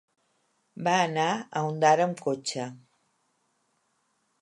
Va anar a Ondara amb cotxe.